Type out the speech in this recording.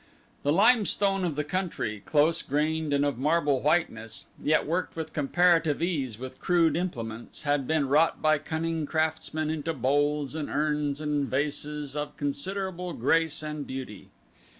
The limestone of the country, close grained and of marble whiteness yet worked with comparative ease with crude implements, had been wrought by cunning craftsmen into bowls and urns and vases of considerable grace and beauty.